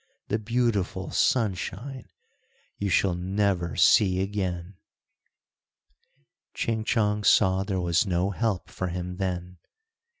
the beautiful sunshine! you shall never see again." Ching Chong saw there was no help for him then.